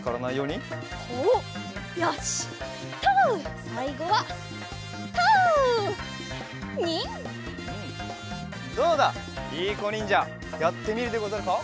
りいこにんじゃやってみるでござるか？